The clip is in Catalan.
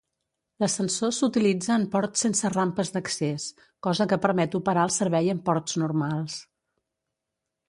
L'ascensor s'utilitza en ports sense rampes d'accés, cosa que permet operar el servei en ports normals.